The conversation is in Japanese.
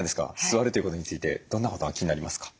座るということについてどんなことが気になりますか？